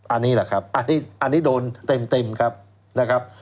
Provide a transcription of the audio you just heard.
อันนี้แหละครับอันนี้โดนเต็มครับนะครับ